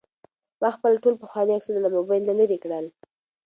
ما خپل ټول پخواني عکسونه له موبایل نه لرې کړل.